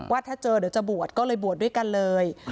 ว่าถ้าเจอเดี๋ยวจะบวชก็เลยบวชด้วยกันเลย